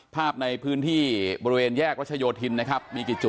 ภาพในพื้นที่บริเวณแยกรัชโยธินนะครับมีกี่จุด